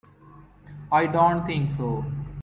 I don't think so.